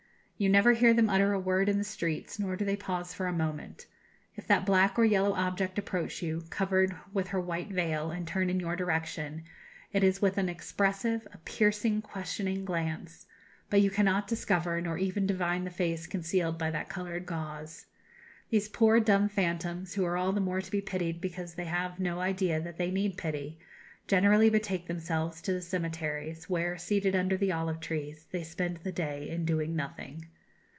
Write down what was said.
You never hear them utter a word in the streets, nor do they pause for a moment. If that black or yellow object approach you, covered with her white veil, and turn in your direction, it is with an expressive, a piercing, questioning glance; but you cannot discover nor even divine the face concealed by that coloured gauze. These poor dumb phantoms, who are all the more to be pitied because they have no idea that they need pity, generally betake themselves to the cemeteries, where, seated under the olive trees, they spend the day in doing nothing."